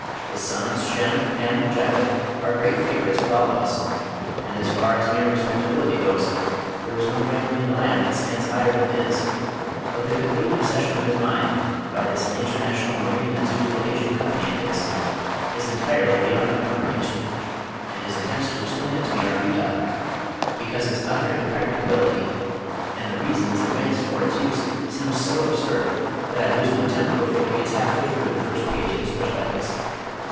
His sons Shem, Ham and Japhet, are great favorites with all of us, and as far as mere respectability goes there is no family in the land that stands higher than his, but the complete obsession of his mind by this International Marine and Zoo Flotation Company of his is entirely beyond my comprehension, and his attempts to explain it to me are futile, because its utter impracticability, and the reasons advanced for its use seem so absurd that I lose my temper before he gets half way through the first page of his prospectus.